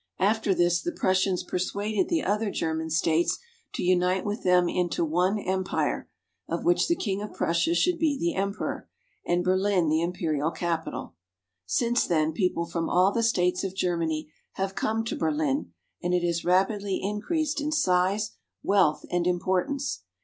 After this the Prussians persuaded the other German states to unite with them into one Empire, of which the King of Prussia should be the Emperor, and Berlin the Imperial Cap ital. Since then people from all the states of Germany have come to Berlin, and it has rapidly increased in size, wealth, and importance.